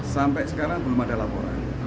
sampai sekarang belum ada laporan